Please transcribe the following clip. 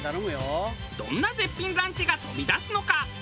どんな絶品ランチが飛び出すのか？